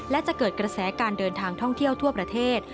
และจะเกิดกระแสการเดินทางท่องเที่ยวทั่วประเทศ